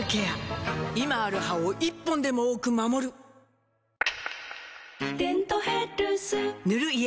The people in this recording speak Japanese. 今ある歯を１本でも多く守る「デントヘルス」塗る医薬品も